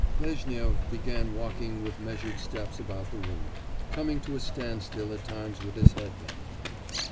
Lezhnyov began walking with measured steps about the room, coming to a standstill at times with his head bent.